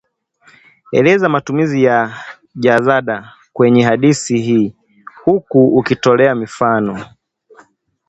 Eleza matumizi ya jazanda kwenye hadithi hii huku ukitolea mifano